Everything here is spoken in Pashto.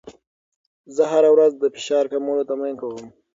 زه هره ورځ د فشار کمولو تمرین کوم.